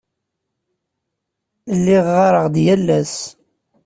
Lliɣ ɣɣareɣ-d yal ass.